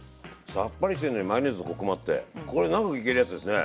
さっぱりしてるのにマヨネーズのコクもあってこれ長くいけるやつですね。